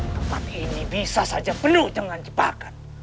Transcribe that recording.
tempat ini bisa saja penuh dengan jebakan